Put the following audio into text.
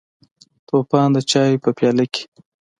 توپان د چایو په پیاله کې: